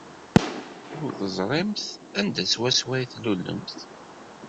Ur teẓrimt anda swaswa ay tlulemt.